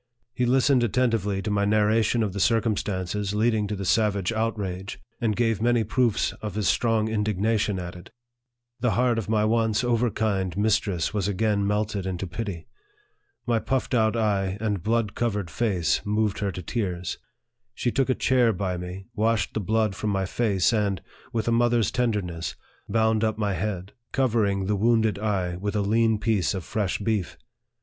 He listened attentively to my narra tion of the circumstances leading to the savage outrage, and gave many proofs of his strong indignation at it. The heart of my once overkind mistress was again melted into pity. My puffed out eye and blood covered face moved her to tears. She took a chair by me, washed the blood from my face, and, with a mother's tenderness, bound up my head, covering the wounded eye with a lean piece of fresh beef.